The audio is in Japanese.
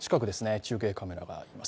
中継カメラがいます。